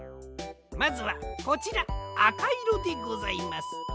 まずはこちらあかいろでございます。